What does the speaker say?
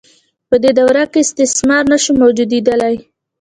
په دې دوره کې استثمار نشو موجودیدلای.